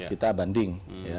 kita banding ya